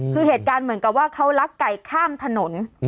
คือเหตุการณ์เหมือนกับว่าเขาลักไก่ข้ามถนน